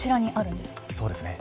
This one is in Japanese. そうですね。